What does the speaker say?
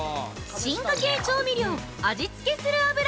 ◆進化系調味料「味つけする油」